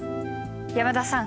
山田さん